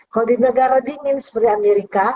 kalau di negara dingin seperti amerika